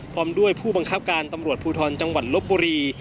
พร้อมด้วยผู้บังคับการตำรวจภูทรจังหวัดลบบุรี